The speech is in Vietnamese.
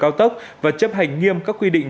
cao tốc và chấp hành nghiêm các quy định